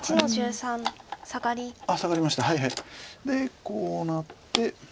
でこうなって。